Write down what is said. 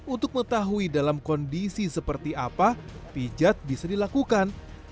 untuk mengetahui dalam kondisi seperti apa pijat bisa dilakukan